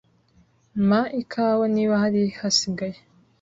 Mpa ikawa niba hari hasigaye.